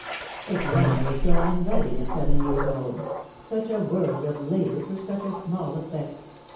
The piano is so uninviting at seven years old ; such a world of labour for such a small effect.